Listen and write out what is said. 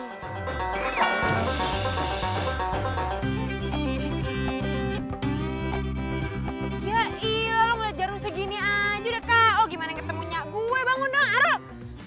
gila ilah lu ngeliat jarum segini aja udah kak oh gimana ketemu nyak gue bangun dong arul